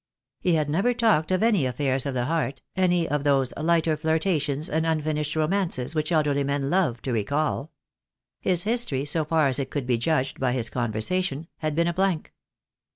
He had never talked of any affairs of the heart, any of those lighter flirtations and unfinished romances which elderly men love to recall. His history, so far as it could be judged by his conversation, had been a blank.